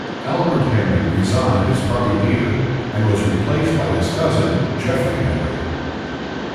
Albert Henry resigned as party leader, and was replaced by his cousin Geoffrey Henry.